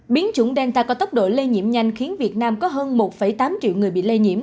biến chủng delta có tốc độ lây nhiễm nhanh khiến việt nam có hơn một tám triệu người bị lây nhiễm